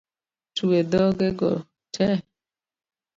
Twe dhoge go tee